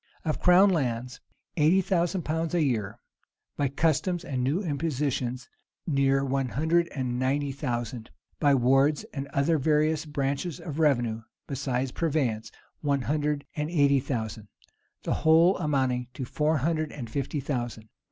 Of crown lands, eighty thousand pounds a year; by customs and new impositions, near one hundred and ninety thousand; by wards and other various branches of revenue, besides purveyance, one hundred and eighty thousand: the whole amounting to four hundred and fifty thousand.